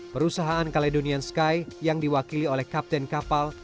perusahaan caledonian sky yang diwakili oleh kapten kapal